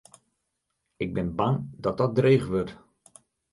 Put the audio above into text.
Ik bin bang dat dat dreech wurdt.